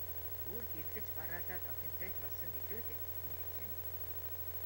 Бүр гэрлэж бараалаад охинтой ч болсон билүү дээ, тэднийх чинь.